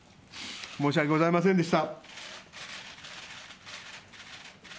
申し訳ございませんでした。